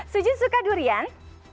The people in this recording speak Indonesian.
suji suka durian